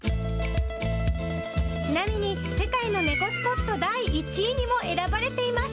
ちなみに、世界の猫スポット第１位にも選ばれています。